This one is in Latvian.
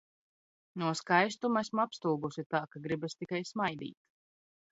No skaistuma esmu apstulbusi tā, ka gribas tikai smaidīt.